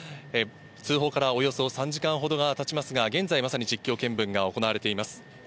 通報からおよそ３時間ほどがたちますが、現在まさに実況見分が行われています。